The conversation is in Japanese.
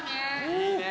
いいね！